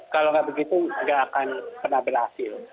kalau nggak begitu nggak akan pernah berhasil